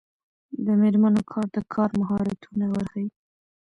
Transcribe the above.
د میرمنو کار د کار مهارتونه ورښيي.